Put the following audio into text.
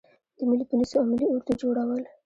د ملي پولیسو او ملي اردو جوړول.